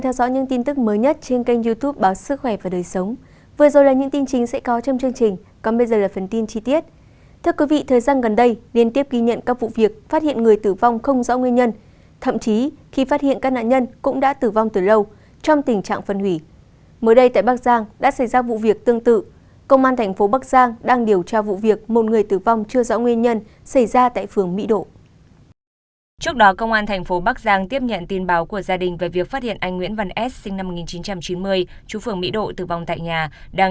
hãy đăng kí cho kênh lalaschool để không bỏ lỡ những video hấp dẫn